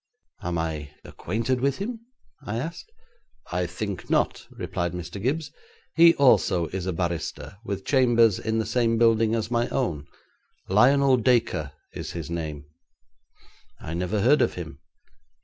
'Am I acquainted with him?' I asked. 'I think not,' replied Mr. Gibbes; 'he also is a barrister with chambers in the same building as my own. Lionel Dacre is his name.' 'I never heard of him.'